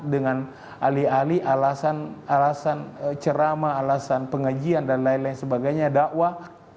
dengan alih alih alasan ceramah alasan pengajian dan lain lain sebagainya dakwah